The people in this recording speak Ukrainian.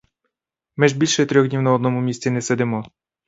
Ми ж більше трьох днів на одному місці не сидимо.